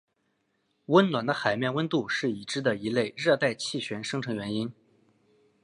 温暖的海面温度是已知的一类热带气旋生成原因。